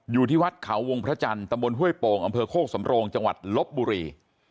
อยู่ที่วัดเขาวงพระจันทร์ตำบลห้วยโป่งอำเภอโคกสำโรงจังหวัดลบบุรี